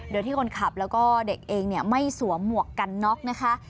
โดยที่คนขับแล้วก็เด็กเองไม่สวมหมวกกันน็อกนะคะ